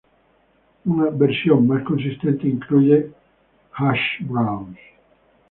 Una versión más consistente incluye hash browns.